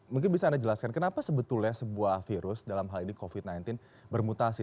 mungkin bisa anda jelaskan kenapa sebetulnya sebuah virus dalam hal ini covid sembilan belas bermutasi